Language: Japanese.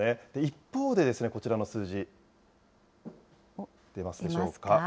一方で、こちらの数字。出ますでしょうか。